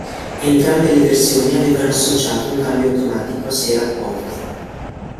Entrambe le versioni avevano associato un cambio automatico a sei rapporti.